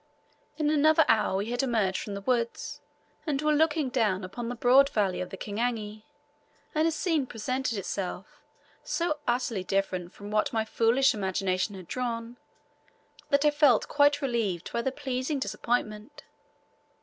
In another hour we had emerged from the woods, and were looking down upon the broad valley of the Kingani, and a scene presented itself so utterly different from what my foolish imagination had drawn, that I felt quite relieved by the pleasing disappointment.